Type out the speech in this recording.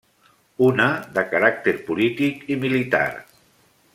Una, de caràcter polític i militar.